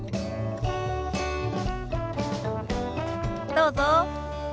どうぞ。